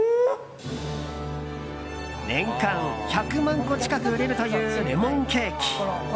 年間１００万個近く売れるというレモンケーキ。